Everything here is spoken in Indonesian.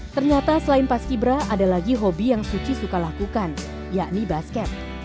ternyata selain paski bra ada lagi hobi yang suci suka lakukan yakni basket